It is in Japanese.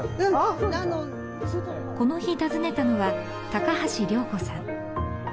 この日訪ねたのは橋良子さん。